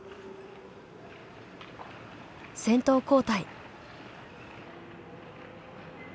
先頭交代。